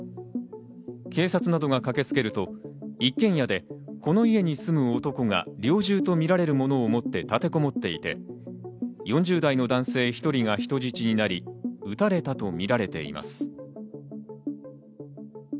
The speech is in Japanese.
警察などが駆けつけると一軒家で、この家に住む男が猟銃とみられるものを持って立てこもっていて、４０代の男性１人が人質になり、撃たれたとみられています。